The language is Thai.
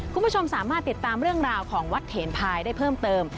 คุณผู้ชมสามารถติดตามเรื่องราวของวัดเถนภายได้เพิ่มเติม